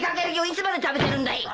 いつまで食べてるんだい！